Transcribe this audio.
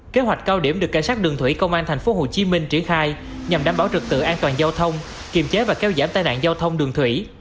kế hoạch cao điểm được cảnh sát đường thủy công an thành phố hồ chí minh triển khai nhằm đảm bảo trực tự an toàn giao thông kiềm chế và kéo giảm tai nạn giao thông đường thủy